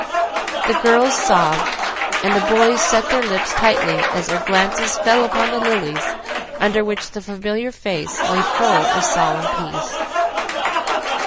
The girls sobbed, and the boys set their lips tightly as their glances fell upon the lilies under which the familiar face lay full of solemn peace.